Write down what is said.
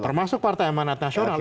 termasuk partai emanat nasional